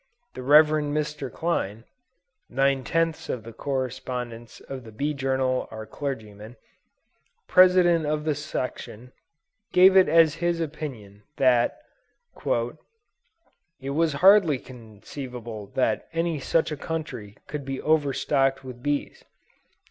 The Rev. Mr. Kleine, (nine tenths of the correspondents of the Bee Journal are clergyman,) President of the section, gave it as his opinion that "it was hardly conceivable that such a country could be overstocked with bees."